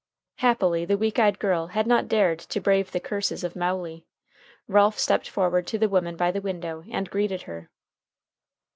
Happily the weak eyed girl had not dared to brave the curses of Mowley. Ralph stepped forward to the woman by the window, and greeted her.